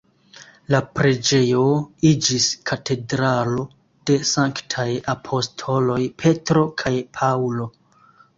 La preĝejo iĝis Katedralo de sanktaj apostoloj Petro kaj Paŭlo.